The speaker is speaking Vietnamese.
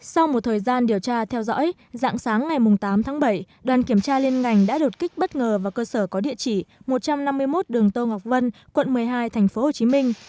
sau một thời gian điều tra theo dõi dạng sáng ngày tám tháng bảy đoàn kiểm tra liên ngành đã đột kích bất ngờ vào cơ sở có địa chỉ một trăm năm mươi một đường tô ngọc vân quận một mươi hai thành phố hồ chí minh